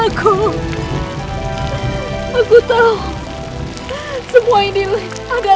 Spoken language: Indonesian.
aku ada mendapat hati kedua milik aku